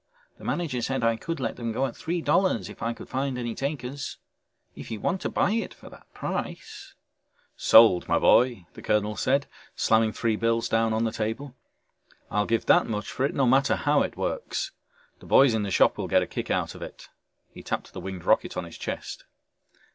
The manager said I could let them go at three dollars if I could find any takers. If you want to buy it for that price...." "Sold, my boy!" the colonel said, slamming three bills down on the table. "I'll give that much for it no matter how it works. The boys in the shop will get a kick out of it," he tapped the winged rocket on his chest.